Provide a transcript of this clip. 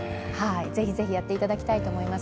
ぜひぜひやっていただきたいと思います。